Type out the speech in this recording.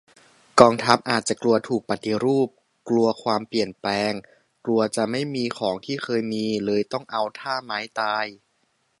กองทัพอาจจะกลัวถูกปฏิรูป กลัวความเปลี่ยนแปลง กลัวจะไม่มีของที่เคยมี เลยต้องเอาท่าไม้ตาย